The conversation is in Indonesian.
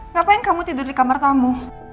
ngapain kamu tidur di kamar tamu